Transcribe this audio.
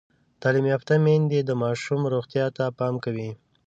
تعلیم یافته میندې د ماشوم روغتیا ته پام کوي۔